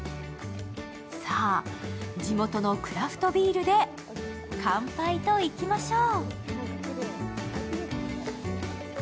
さあ、地元のクラフトビールで乾杯といきましょう。